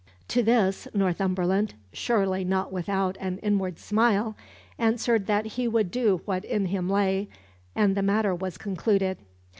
To this Northumberland, surely not without an inward smile, answered that he would do what in him lay, and the matter was concluded.